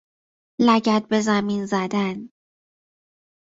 لگد بزمین زدن